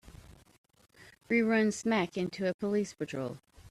We run smack into a police patrol.